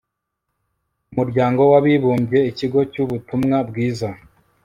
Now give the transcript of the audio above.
umuryango w'abibumbye, ikigo cy'ubutumwa bwiza